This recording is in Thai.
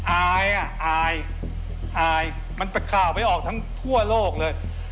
อายอ่ะอายอายมันเป็นข่าวไปออกทั้งทั่วโลกเลย